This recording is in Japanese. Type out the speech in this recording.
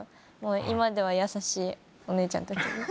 今では優しいお姉ちゃんたちです。